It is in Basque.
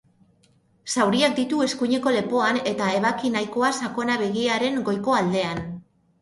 Zauriak ditu eskuineko lepoan eta ebaki nahikoa sakona begiaren goiko aldean.